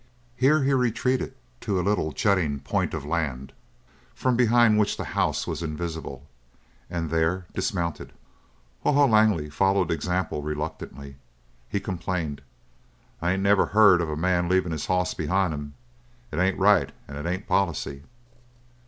Here he retreated to a little jutting point of land from behind which the house was invisible, and there dismounted. Haw Haw Langley followed example reluctantly. He complained: "I ain't never heard before of a man leavin' his hoss behind him! It ain't right and it ain't policy."